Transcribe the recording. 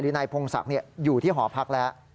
นายพงศักดิ์อยู่ที่หอพักแล้ว